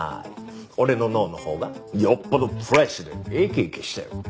俺の脳のほうがよっぽどフレッシュで生き生きしてる。